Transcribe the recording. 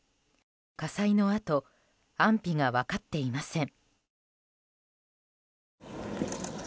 火災のあと安否が分かっていません。